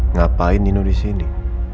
ngapain nino disini